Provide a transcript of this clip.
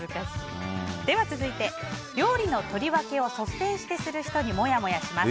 続いて、料理の取り分けを率先してする人にモヤモヤします。